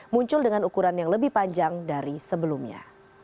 muncul dengan ukuran yang lebih panjang dari sebelumnya